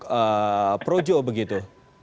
undangan untuk projo begitu